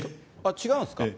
違うんですか？